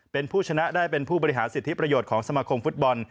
เป็นผู้ชนะได้เป็นผู้บริหารสิทธิประโยชน์ของสมาคมฟุตบอล